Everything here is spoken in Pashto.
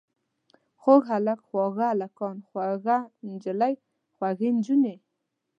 خوږ هلک، خواږه هلکان، خوږه نجلۍ، خوږې نجونې.